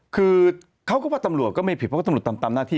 คือเขาก็ว่าตำรวจก็ไม่ผิดเพราะว่าตำรวจทำตามหน้าที่